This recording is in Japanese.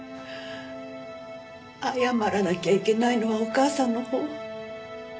謝らなきゃいけないのはお母さんのほう。